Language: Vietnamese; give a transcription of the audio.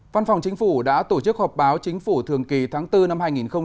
văn phòng chính phủ đã tổ chức họp báo chính phủ thường kỳ tháng bốn năm hai nghìn hai mươi